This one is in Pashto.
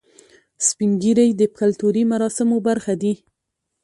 سپین ږیری د کلتوري مراسمو برخه دي